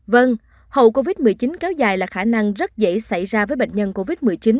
vâng hậu covid một mươi chín kéo dài là khả năng rất dễ xảy ra với bệnh nhân covid một mươi chín